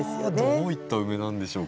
どういったウメなんでしょうか？